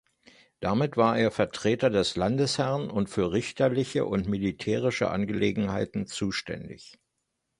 Damit war er Vertreter des Landesherrn und für richterliche und militärische Angelegenheiten zuständig.